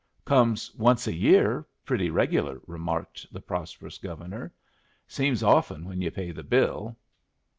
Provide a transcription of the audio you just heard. "Comes once a year pretty regular," remarked the prosperous Governor. "Seems often when you pay the bill."